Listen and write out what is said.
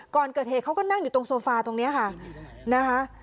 ก่อนเกิดเหตุเขาก็นั่งอยู่ตรงโซฟาตรงนี้ค่ะนะคะ